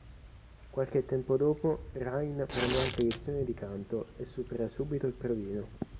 Qualche tempo dopo, Rein prende anche lezioni di canto e supera subito il provino.